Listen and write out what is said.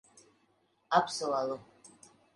Apsolu.